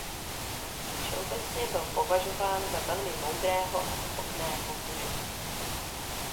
Všeobecně byl považován za velmi moudrého a schopného muže.